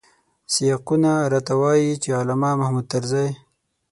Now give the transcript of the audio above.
سیاقونه راته وايي چې علامه محمود طرزی.